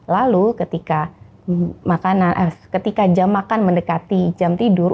lalu ketika jam makan mendekati jam tidur